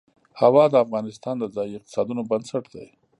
هوا د افغانستان د ځایي اقتصادونو بنسټ دی.